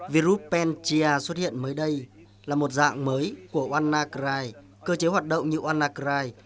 virus petya xuất hiện mới đây là một dạng mới của wannacry cơ chế hoạt động như wannacry